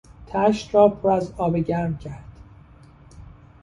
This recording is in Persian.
تشت را پر از آب گرم کرد.